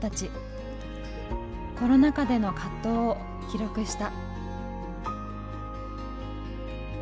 コロナ禍での葛藤を記録した。